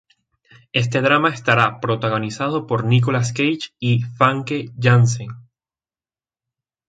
Este drama estará protagonizado por Nicolas Cage y Famke Janssen.